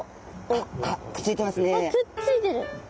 あっくっついてる！